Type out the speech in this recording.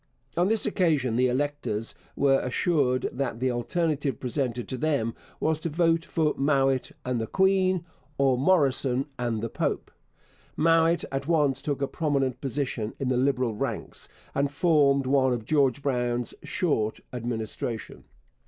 On this occasion the electors were assured that the alternative presented to them was to vote for 'Mowat and the Queen' or 'Morrison and the Pope.' Mowat at once took a prominent position in the Liberal ranks, and formed one of George Brown's 'Short Administration.'